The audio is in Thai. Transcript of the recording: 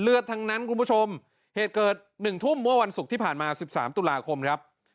ทั้งนั้นคุณผู้ชมเหตุเกิด๑ทุ่มเมื่อวันศุกร์ที่ผ่านมา๑๓ตุลาคมครับ